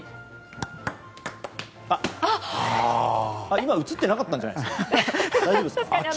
今、映ってなかったんじゃないですか。